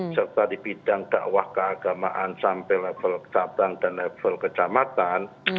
serta di bidang dakwah keagamaan sampai level cabang dan level kecamatan